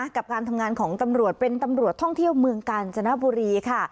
กับการทำงานของตำรวจเป็นตำรวจท่องเที่ยวเมืองกาญจนบุรีค่ะ